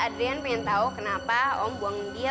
adrian pengen tau kenapa om buangin dia